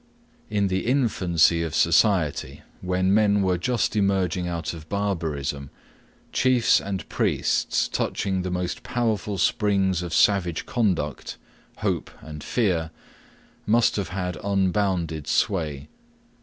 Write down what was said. In the infancy of society, when men were just emerging out of barbarism, chiefs and priests, touching the most powerful springs of savage conduct hope and fear must have had unbounded sway.